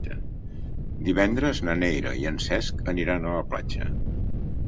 Divendres na Neida i en Cesc aniran a la platja.